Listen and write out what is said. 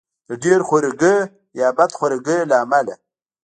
د ډېر خورګۍ یا بد خورګۍ له امله.